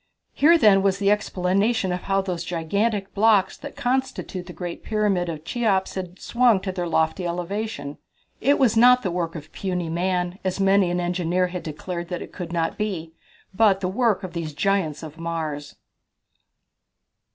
Here, then, was the explanation of how those gigantic blocks that constitute the great Pyramid of Cheops had been swung to their lofty elevation. It was not the work of puny man, as many an engineer had declared that it could not be, but the work of these giants of Mars.